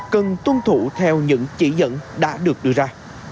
cần tuân thủ theo những chỉ dẫn đã được đưa ra